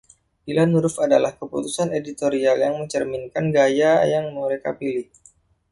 Pilihan huruf adalah keputusan editorial yang mencerminkan gaya yang mereka pilih.